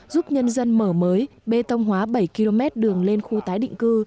giúp nhân dân mở mới bê tông hóa bảy km đường lên khu tái định cư